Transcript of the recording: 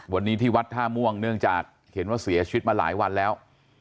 วันนี้ที่วัดท่าม่วงเนื่องจากเห็นว่าเสียชีวิตมาหลายวันแล้ว